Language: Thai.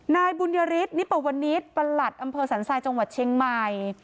นายบุญยฤทธนิปวนิษฐ์ประหลัดอำเภอสันทรายจังหวัดเชียงใหม่